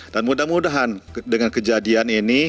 dan mudah mudahan dengan kejadian ini